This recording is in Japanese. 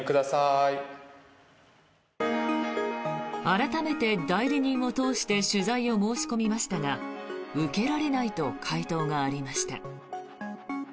改めて代理人を通して取材を申し込みましたが受けられないと回答がありました。